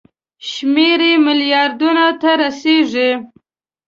شمېر یې ملیاردونو ته رسیږي.